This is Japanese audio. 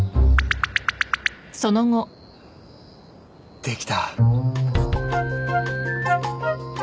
できた